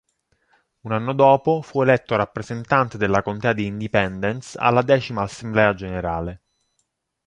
Un anno dopo fu eletto rappresentante della contea di Independence alla decima assemblea generale.